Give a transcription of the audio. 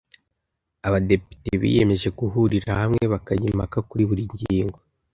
abadepite biyemeje guhurira hamwe bakajya impaka kuri buri ngingo